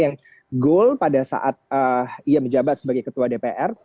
yang goal pada saat ia menjabat sebagai ketua dpr